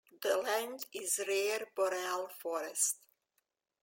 The land is a rare boreal forest.